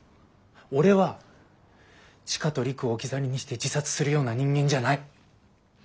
俺は千佳と璃久を置き去りにして自殺するような人間じゃない！